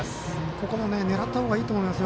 ここも狙った方がいいと思いますよ。